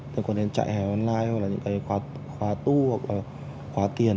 liên quan đến chạy hè online hoặc là những khóa tu hoặc là khóa tiền